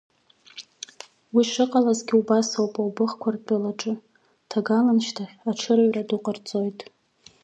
Уи шыҟалазгьы убас оуп Аубыхқәа ртәылаҿ, ҭагаланшьҭахь аҽырҩра ду ҟарҵон.